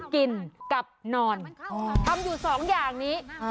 กินกับนอนอ๋อทำอยู่สองอย่างนี้อ่า